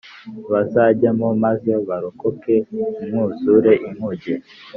Bazajyemo maze barokoke umwuzure inkuge